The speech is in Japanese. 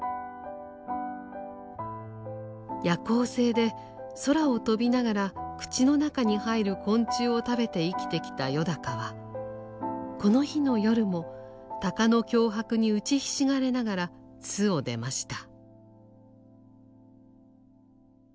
夜行性で空を飛びながら口の中に入る昆虫を食べて生きてきたよだかはこの日の夜も鷹の脅迫に打ちひしがれながら巣を出ました。